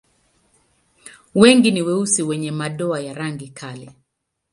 Wengi ni weusi wenye madoa ya rangi kali.